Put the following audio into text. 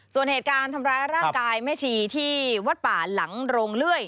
ส่วนเหตุการณ์ทำร้ายร่างกายแม่ชีที่วัดป่าหลังโรงเลื่อย